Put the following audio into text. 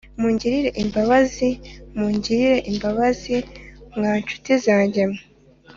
“mungirire imbabazi, mungirire imbabazi mwa ncuti zanjye mwe,